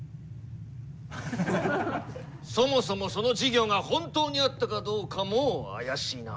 そもそもその事業が本当にあったかどうかも怪しいな。